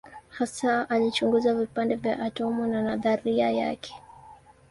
Hasa alichunguza vipande vya atomu na nadharia yake.